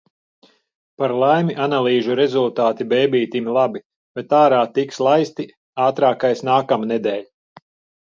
Par laimi analīžu rezultāti bēbītim labi, bet ārā tiks laisti – ātrākais – nākamnedēļ.